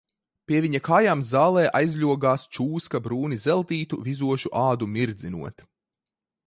Pie viņa kājām zālē aizļogās čūska brūni zeltītu, vizošu ādu mirdzinot.